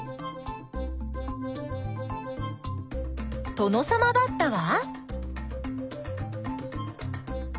トノサマバッタは？